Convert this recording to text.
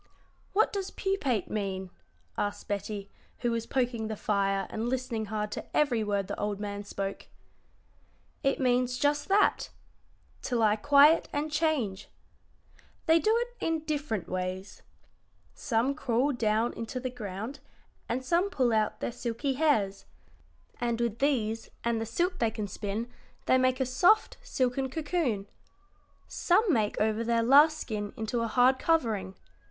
"What does pupate mean?" asked Betty, who was poking the fire and listening hard to every word the old man spoke. [Illustration: A. Cocoon of a polyphemus moth. B. Cocoon of a cecropian moth.] "It means just that to lie quiet and change. They do it in different ways. Some crawl down into the ground and some pull out their silky hairs, and with these and the silk they can spin they make a soft, silken cocoon. Some make over their last skin into a hard covering.